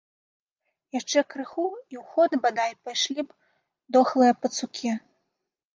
Яшчэ крыху, і ў ход, бадай, пайшлі б дохлыя пацукі.